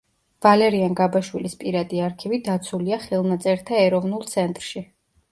ვალერიან გაბაშვილის პირადი არქივი დაცულია ხელნაწერთა ეროვნულ ცენტრში.